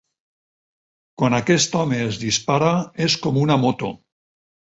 Quan aquest home es dispara és com una moto.